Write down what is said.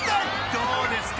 どうですか？